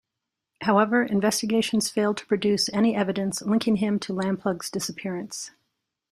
However, investigations failed to produce any evidence linking him to Lamplugh's disappearance.